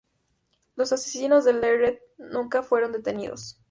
Los asesinos de Layret nunca fueron detenidos.